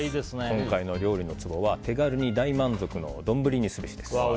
今回の料理のツボは手軽に大満足の丼ぶりにすべし。